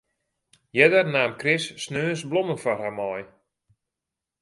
Earder naam Chris sneons blommen foar har mei.